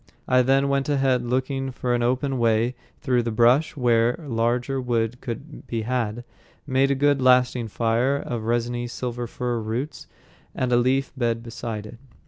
I then went ahead looking for an open way through the bushes to where larger wood could be had, made a good lasting fire of resiny silver fir roots, and a leafy bed beside it.